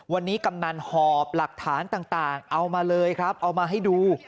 วันนี้กำนันหอบหลักฐานต่างเอามาเลยครับเอามาให้ดู